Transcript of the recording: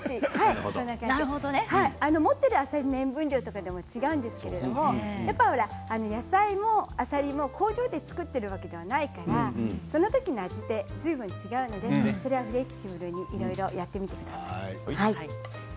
持っているあさりの塩分量でも違うんですけれども野菜もあさりも工場で作っているわけではないから、そのときの味ってずいぶん違うのでそれはフレキシブルにいろいろやってみてください。